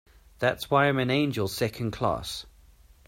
That's why I'm an angel Second Class.